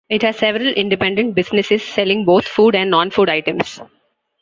It has several independent businesses, selling both food and non-food items.